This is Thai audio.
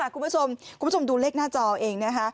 คุณผู้ชมดูเลขหน้าจอเอง